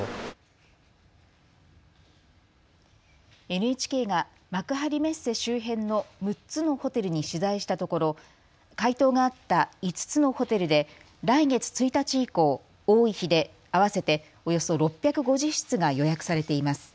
ＮＨＫが幕張メッセ周辺の６つのホテルに取材したところ回答があった５つのホテルで来月１日以降、多い日で合わせておよそ６５０室が予約されています。